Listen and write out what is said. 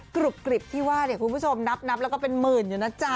กรุบกริบที่ว่าเนี่ยคุณผู้ชมนับแล้วก็เป็นหมื่นอยู่นะจ๊ะ